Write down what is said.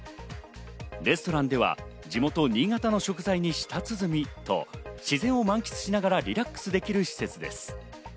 レストランでは地元・新潟の食材に舌鼓と、自然を満喫しながらリラックスできる施設です。